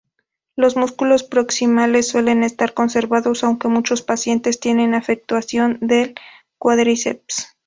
Los músculos proximales suelen estar conservados, aunque muchos pacientes tienen afectación del cuádriceps.